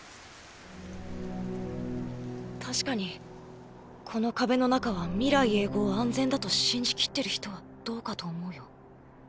確かにこの壁の中は未来永劫安全だと信じきってる人はどうかと思うよ。